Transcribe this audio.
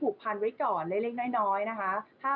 ผูกพันการไว้ก่อนเล็กน้อยนะคะ